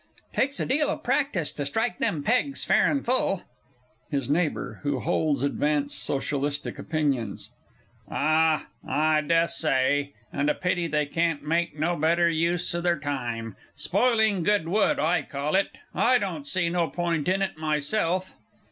Takes a deal of practice to strike them pegs fair and full. HIS NEIGHBOUR (who holds advanced Socialistic opinions). Ah, I dessay and a pity they can't make no better use o' their time! Spoiling good wood, I call it. I don't see no point in it myself.